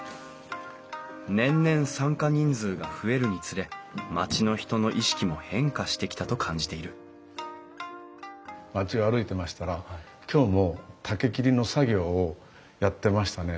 年々参加人数が増えるにつれ町の人の意識も変化してきたと感じている町を歩いてましたら今日も竹切りの作業をやってましたね。